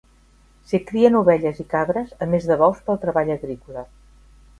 S'hi crien ovelles i cabres, a més de bous per al treball agrícola.